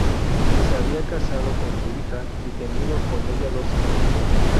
Se había casado con su hija y tenido con ella dos hijos.